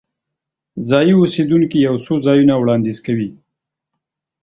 ځایي اوسیدونکي یو څو ځایونه وړاندیز کوي.